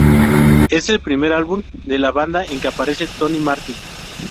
Es el primer álbum de la banda en que aparece Tony Martin.